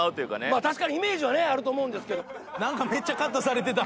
まあ確かにイメージはあると思うんですけど。